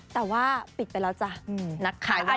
แต่ว่าปิดไปแล้วจ้ะนักขายว๊าบ